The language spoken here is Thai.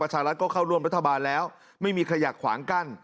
ชารัฐก็เข้าร่วมรัฐบาลแล้วไม่มีขยะขวางกั้น